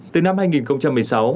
từ năm hai nghìn một mươi sáu